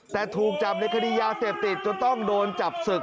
แต่ถูกจับในคดียาเสพติดจนต้องโดนจับศึก